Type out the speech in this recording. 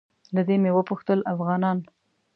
له ده مې وپوښتل افغانان.